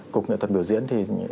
cục nghệ thuật biểu diễn